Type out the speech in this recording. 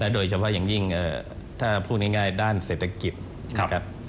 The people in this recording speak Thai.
โดยเฉพาะอย่างยิ่งถ้าพูดง่ายด้านเศรษฐกิจนะครับ